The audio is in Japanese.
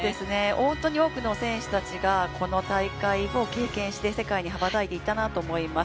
本当に多くの選手たちがこの大会を経験して世界に羽ばたいていったなと思います。